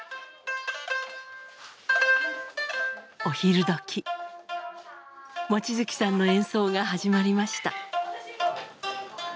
お昼どき望月さんの演奏が始まりました。